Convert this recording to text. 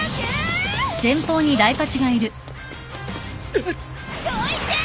えっ！？どいて！